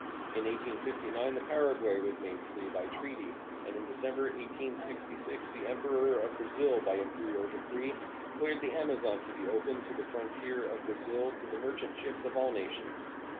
In 1859 the Paraguay was made free by treaty, and in December, 1866, the Emperor of Brazil by imperial decree declared the Amazon to be open to the frontier of Brazil to the merchant ships of all nations.